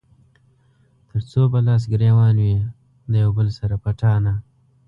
تر څو به لاس ګرېوان وي د يو بل سره پټانــه